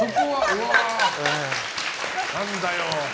何だよ。